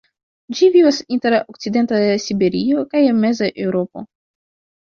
Ĝi vivas inter okcidenta Siberio kaj meza Eŭropo.